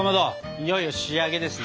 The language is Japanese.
いよいよ仕上げですね。